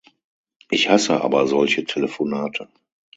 Ich hasse aber solche Telefonate.